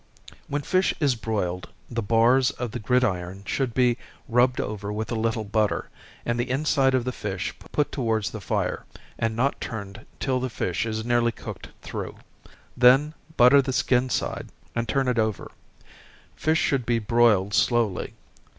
When fish is broiled, the bars of the gridiron should be rubbed over with a little butter, and the inside of the fish put towards the fire, and not turned till the fish is nearly cooked through then butter the skin side, and turn it over fish should be broiled slowly.